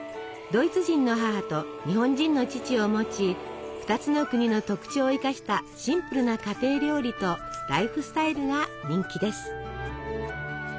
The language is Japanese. ドイツ人の母と日本人の父を持ち２つの国の特徴を生かしたシンプルな家庭料理とライフスタイルが人気です。